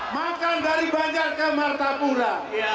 makan dari banjar ke martapura